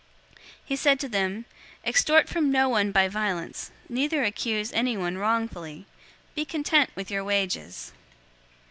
He said to them, "Extort from no one by violence, neither accuse anyone wrongfully. Be content with your wages."